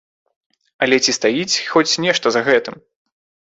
Але ці стаіць хоць нешта за гэтым?